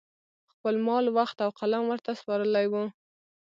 خپل مال، وخت او قلم ورته سپارلي وو